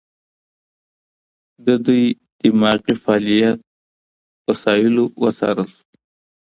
د دوی دماغي فعالیت وسایلو وڅارل شو.